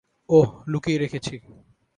ওহ, লুকিয়ে রেখেছি।